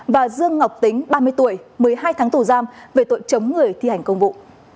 và dương ngọc tính ba mươi tuổi một mươi hai tháng tù giam về tội chống người thi hành công vụ